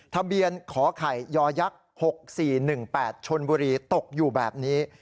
ทะเบียนขอไข่ยักษ๖๔๑๘ชนบุรีตกอยู่แบบนี้